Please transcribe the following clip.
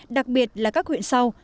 đặc biệt là các huyện sau